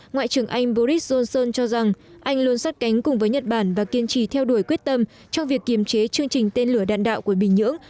ngoại trưởng anh boris johnson cho rằng anh luôn sát cánh cùng với nhật bản và kiên trì theo đuổi quyết tâm trong việc kiềm chế chương trình tên lửa đạn đạo của bình nhưỡng